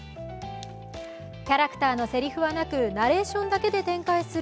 キャラクターのせりふはなく、ナレーションだけで展開する